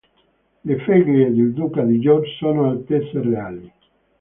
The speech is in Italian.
Le figlie del duca di York sono altezze reali.